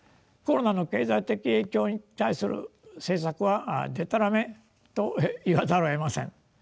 コロナの経済的影響に対する政策は「でたらめ」と言わざるをえません。